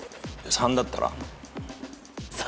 ３だったら？